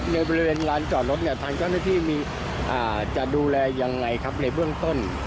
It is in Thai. ในบริเวณลานจอดรถเนี่ยทางเจ้าหน้าที่จะดูแลยังไงครับในเบื้องต้น